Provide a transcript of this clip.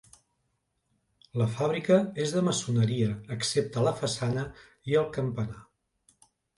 La fàbrica és de maçoneria excepte la façana i el campanar.